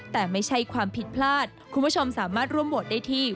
แต่ไม่ใช่ความผิดพลาดคุณผู้ชมสามารถร่วมโหวตได้ที่